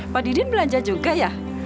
pak didin belanja juga ya